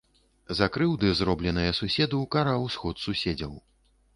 За крыўды, зробленыя суседу, караў сход суседзяў.